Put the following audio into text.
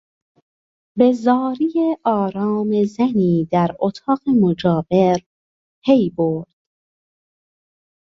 به زاری آرام زنی در اتاق مجاور پیبرد.